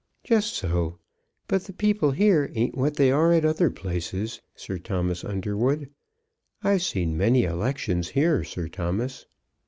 "Just so; but the people here ain't what they are at other places, Sir Thomas Underwood. I've seen many elections here, Sir Thomas."